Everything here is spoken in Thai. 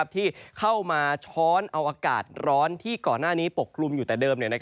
ที่เข้ามาช้อนเอาอากาศร้อนที่ก่อนหน้านี้ปกกลุ่มอยู่แต่เดิม